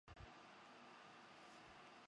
配属陆军步兵学校。